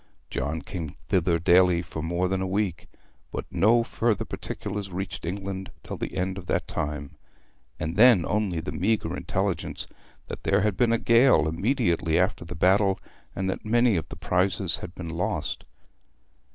John came thither daily for more than a week; but no further particulars reached England till the end of that time, and then only the meagre intelligence that there had been a gale immediately after the battle, and that many of the prizes had been lost.